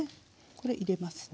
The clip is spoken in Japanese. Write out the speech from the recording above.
これ入れますね。